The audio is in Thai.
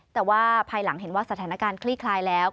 แต่ว่าภายหลังเห็นว่าสถานการณ์คลี่คลายแล้ว